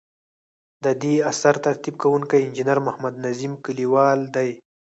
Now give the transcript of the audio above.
ددې اثر ترتیب کوونکی انجنیر محمد نظیم کلیوال دی.